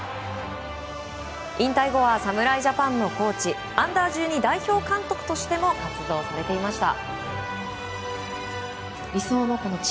引退後は侍ジャパンのコーチＵ‐１２代表監督としても活動されていました。